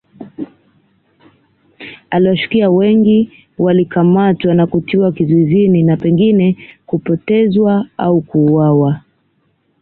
Aliwashukia wengi walikamatwa na kutiwa kizuizini na pengine kupotezwa au kuuawa